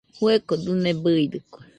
Fueko dɨne bɨidɨkue.